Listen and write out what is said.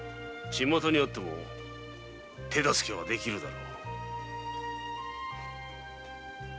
市中にあっても手助けはできるだろう。